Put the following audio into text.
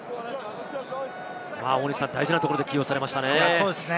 大事なところで起用されましたね。